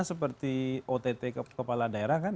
seperti ott kepala daerah kan